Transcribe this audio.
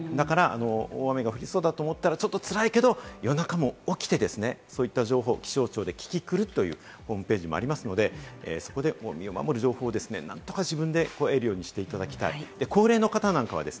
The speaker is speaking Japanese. だから大雨が降りそうだと思ったら、ちょっとつらいけれども夜中も起きてですね、そういった情報を、気象庁でキキクルというホームページもありますので、そこで身を守る情報を、何とか自分で得るようにしていただきたい。